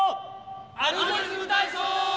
「アルゴリズムたいそう」！